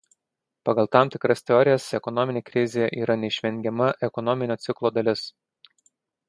Pagal tam tikras teorijas ekonominė krizė yra neišvengiama ekonominio ciklo dalis.